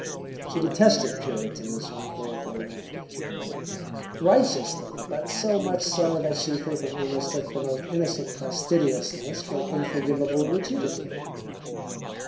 She detested puritanism greatly, and righteously, but so much so that she frequently mistook the most innocent fastidiousness for an unforgivable rigidity.